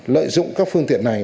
lợi dụng các phương tiện này